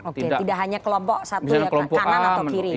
oke tidak hanya kelompok satu kanan atau kiri